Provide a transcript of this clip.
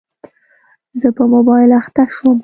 زه په موبایل اخته شوم.